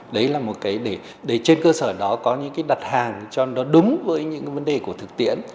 đấy là một cái để trên cơ sở đó có những cái đặt hàng cho nó đúng với những vấn đề của thực tiễn